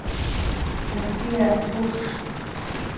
Зөлхиә, хуш!